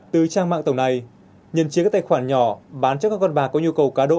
từ trang mạng tàu này nhân chiếm các tài khoản nhỏ bán cho các con bạc có nhu cầu cá độ